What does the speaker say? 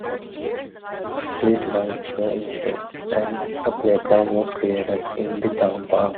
Street lights were installed, and a playground was created in the town park.